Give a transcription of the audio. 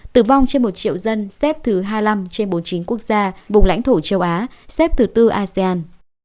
tử vong trên một triệu dân xếp thứ hai mươi năm trên bốn mươi chín quốc gia vùng lãnh thổ châu á xếp thứ tư asean